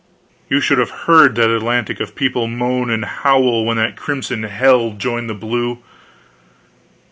You should have heard that Atlantic of people moan and howl when that crimson hell joined the blue!